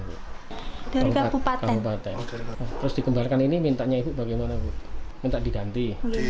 dari kabupaten terus dikembalikan ini mintanya ibu bagaimana minta diganti